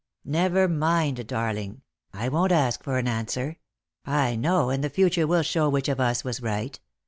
" Never mind, darling; I won't ask for an answer. J know, and the future will show which of us was right.